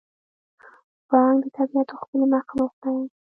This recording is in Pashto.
پړانګ د طبیعت ښکلی مخلوق دی.